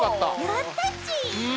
やったち。